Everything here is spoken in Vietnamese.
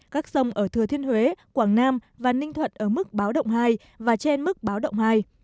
các sông ở thừa thiên huế quảng nam và ninh thuận ở mức báo động hai và trên mức báo động hai